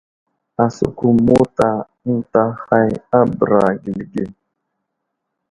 Asəkum mota ənta ghay a bəra gəli ge.